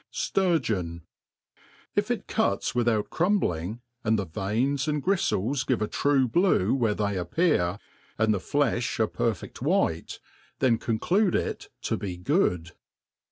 Sturgeon. ^\ IF it cuts without crumbling, and the veins and griftles give a triie blue where they appear, and the ilefli a perfe^ white, then conclude it to be good